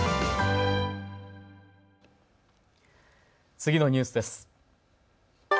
次のニュースです。